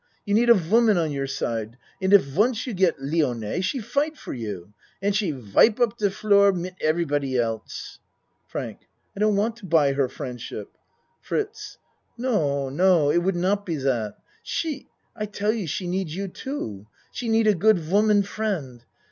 You need a woman on your side, and if once you get Lione, she fight for you and she wipe up de floor mit everybody else. FRANK I don't want to buy her friendship. FRITZ No no, it would not be dot. She I tell you she need you, too. She need a good woman friend.